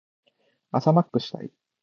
朝マックしたい。